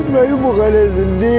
bayu bukan yang sedih